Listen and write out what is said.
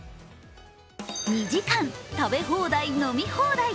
２時間食べ放題・飲み放題。